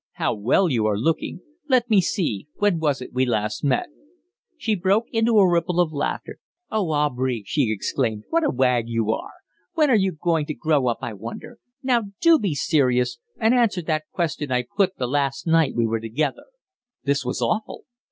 "How well you are looking. Let me see, when was it we last met?" She broke into a ripple of laughter. "Oh, Aubrey," she exclaimed, "what a wag you are! When are you going to grow up, I wonder. Now, do be serious and answer that question I put to the last night we were together." This was awful.